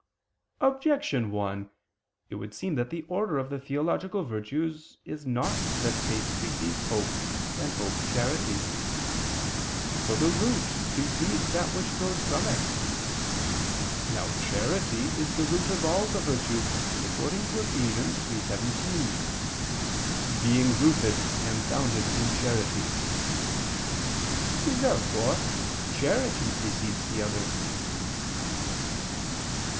Objection 1: It would seem that the order of the theological virtues is not that faith precedes hope, and hope charity. For the root precedes that which grows from it. Now charity is the root of all the virtues, according to Eph. 3:17: "Being rooted and founded in charity." Therefore charity precedes the others.